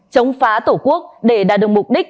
chống phá tổ quốc để đạt được mục đích